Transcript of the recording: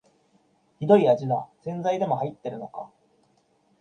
ひどい味だ、洗剤でも入ってるのか